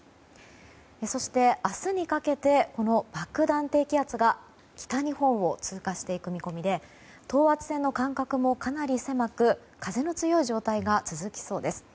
そして明日にかけてこの爆弾低気圧が北日本を通過していく見込みで等圧線の間隔もかなり狭く風の強い状態が続きそうです。